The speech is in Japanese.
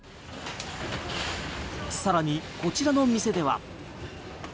更に、こちらの店では。